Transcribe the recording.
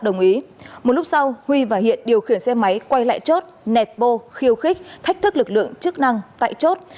đồng ý một lúc sau huy và hiện điều khiển xe máy quay lại chốt nẹp bô khiêu khích thách thức lực lượng chức năng tại chốt